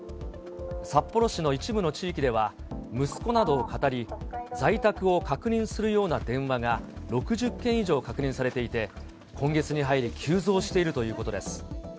札幌市の一部の地域では、息子などをかたり、在宅を確認するような電話が６０件以上確認されていて、今月に入り急増しているということです。